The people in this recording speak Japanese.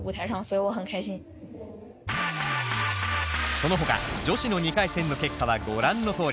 そのほか女子の２回戦の結果はご覧のとおり。